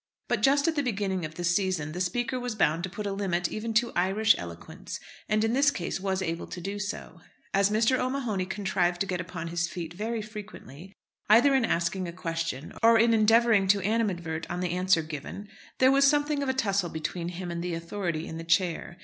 But just at the beginning of the session, the Speaker was bound to put a limit even to Irish eloquence, and in this case was able to do so. As Mr. O'Mahony contrived to get upon his feet very frequently, either in asking a question or in endeavouring to animadvert on the answer given, there was something of a tussle between him and the authority in the chair.